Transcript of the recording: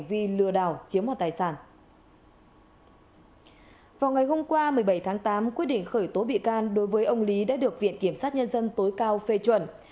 vào ngày hôm qua một mươi bảy tháng tám quyết định khởi tố bị can đối với ông lý đã được viện kiểm sát nhân dân tối cao phê chuẩn